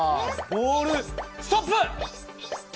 ボールストップ！